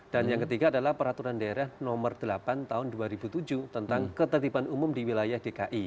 dan yang ketiga adalah peraturan daerah nomor delapan tahun dua ribu tujuh tentang ketertiban umum di wilayah dki